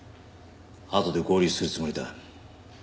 あとで合流するつもりだ。